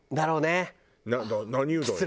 何うどんよ？